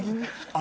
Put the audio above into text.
あ！